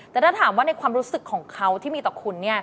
แต่ถ้าถามว่าในความรู้สึกของเขาที่มีต่อคุณเนี่ย